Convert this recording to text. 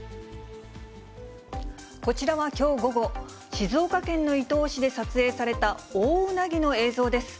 こちらはきょう午後、静岡県の伊東市で撮影された、オオウナギの映像です。